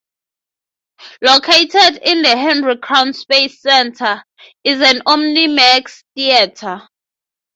Located in the Henry Crown Space Center, is a OmniMax theater.